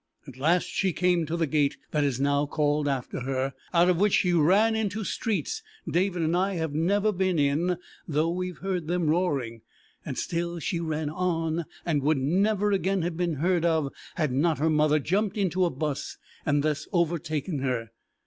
At last she came to the gate that is now called after her, out of which she ran into streets David and I have never been in though we have heard them roaring, and still she ran on and would never again have been heard of had not her mother jumped into a bus and thus overtaken her.